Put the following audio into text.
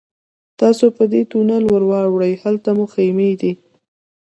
تاسو په دې تونل ورواوړئ هلته مو خیمې دي.